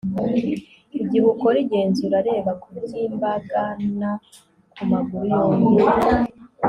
igihe ukora igenzura, reba kubyimbagana ku maguru yombi